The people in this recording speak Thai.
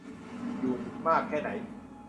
อยู่มากแค่ไหน